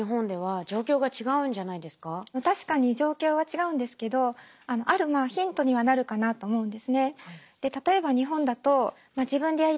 でも確かに状況は違うんですけどあるヒントにはなるかなと思うんですね。